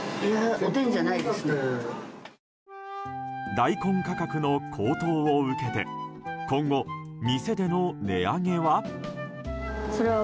大根価格高騰を受けて今後、店での値上げは？